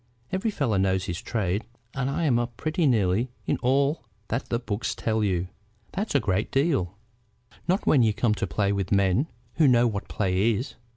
Every fellow knows his trade, and I'm up pretty nearly in all that the books tell you." "That's a great deal." "Not when you come to play with men who know what play is.